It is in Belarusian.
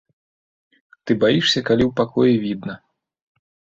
Ты баішся, калі ў пакоі відна.